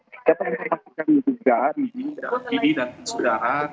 kita ingin memastikan juga vidi dan saudara